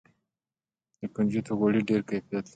د کنجدو غوړي ډیر کیفیت لري.